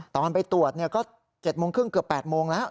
ตอนไปตรวจก็๗โมงครึ่งเกือบ๘โมงแล้ว